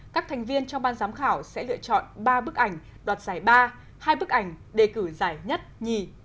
các thành viên trong ban giám khảo sẽ lựa chọn ba bức ảnh đoạt giải ba hai bức ảnh đề cử giải nhất nhì